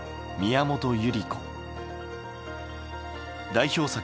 代表作